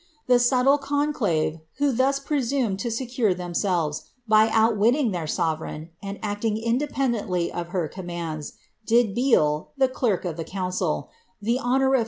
The subtle conclave, who thus presumed lo sefurf tlicmselves, by outwitting iheir soveicign, and acting indcpendemlv "i her commands, did Beale (the clerk of the council) the honour of r.>